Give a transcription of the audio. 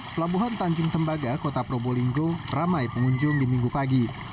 pelabuhan tanjung tembaga kota probolinggo ramai pengunjung di minggu pagi